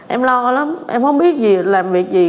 em lo lắm em không biết làm việc gì